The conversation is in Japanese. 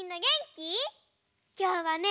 きょうはね